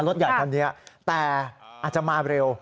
รถใหญ่คันนี้แต่อาจจะมาเร็ว